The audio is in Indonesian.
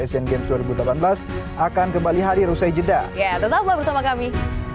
asian games dua ribu delapan belas akan kembali hari usai jeda tetaplah bersama kami